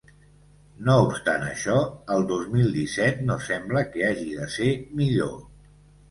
No obstant això, el dos mil disset no sembla que hagi de ser millor.